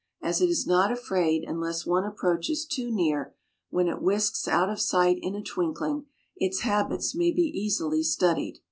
As it is not afraid unless one approaches too near, when it whisks out of sight in a twinkling, its habits may be easily studied.